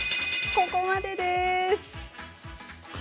ここまでです。